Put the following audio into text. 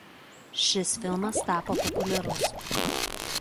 Šis filmas tapo populiarus.